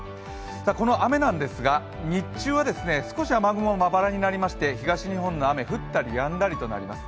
この雨なんですが日中は雨雲少しまばらになりまして東日本の雨、降ったりやんだりとなります。